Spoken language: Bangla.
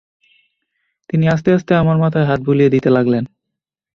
তিনি আস্তে আস্তে আমার মাথায় হাত বুলিয়ে দিতে লাগলেন।